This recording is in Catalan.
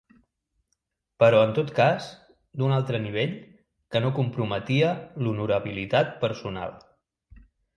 Però, en tot cas, d’un altre nivell, que no comprometia l’honorabilitat personal.